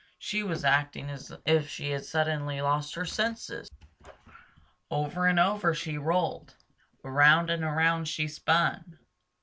She was acting as if she had suddenly lost her senses. Over and over she rolled. Around and around she spun.